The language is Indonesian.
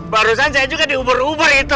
barusan saya juga diuber uber itu